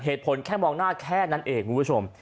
เหตุผลแค่มองหน้าแค่นั้นเองคุณผู้ชม